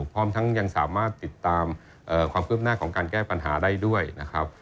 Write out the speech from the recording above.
พร้อมทั้งยังสามารถติดตามความคืบหน้าของการแก้ปัญหาได้ด้วยนะครับ